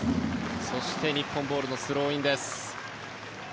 そして日本ボールのスローインです。